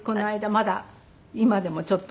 まだ今でもちょっと。